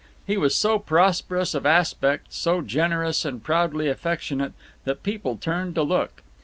He was so prosperous of aspect, so generous and proudly affectionate, that people turned to look.